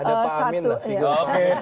ada pak amin lah tiga